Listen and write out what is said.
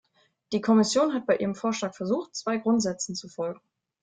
Die Kommission hat bei ihrem Vorschlag versucht, zwei Grundsätzen zu folgen.